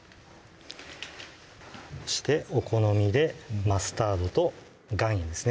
そしてお好みでマスタードと岩塩ですね